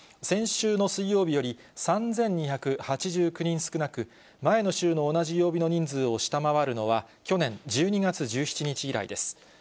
先週の水曜日より３２８９人少なく、前の週の同じ曜日の人数を下回るのは、去年１２月１７日以来です。